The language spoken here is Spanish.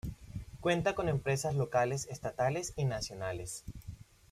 Cuenta con empresas locales, estatales y nacionales.